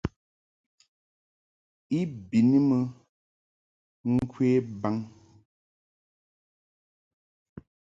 I bɨni mɨ ŋkwe baŋ.